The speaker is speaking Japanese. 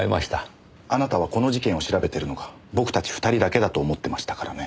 あなたはこの事件を調べてるのが僕たち２人だけだと思ってましたからね。